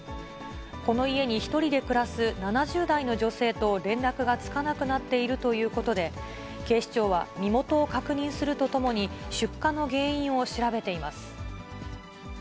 この家に１人で暮らす７０代の女性と連絡がつかなくなっているということで、警視庁は身元を確認するとともに、出火の原因を調べています。